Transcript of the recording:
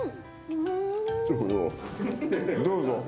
どうぞ。